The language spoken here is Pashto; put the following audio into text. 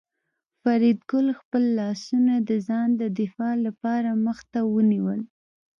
فریدګل خپل لاسونه د ځان د دفاع لپاره مخ ته ونیول